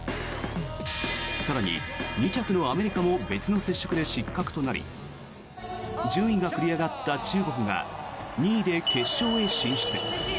更に、２着のアメリカも別の接触で失格となり順位が繰り上がった中国が２位で決勝へ進出。